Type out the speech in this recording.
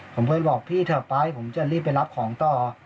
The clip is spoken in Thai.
ผมก็จะบอกพี่เธอป้ายผมจะรีบไปรับของต่อ